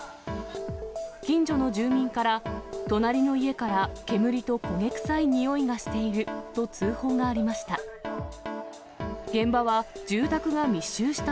近所の住民から、隣の家から煙と焦げ臭いにおいがしていると通報がありました。